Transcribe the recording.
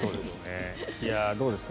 どうですか？